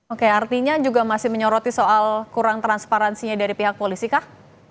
oke artinya juga masih menyoroti soal kurang transparansinya dari pihak polisi kah